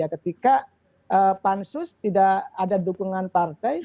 ketika pansus tidak ada dukungan partai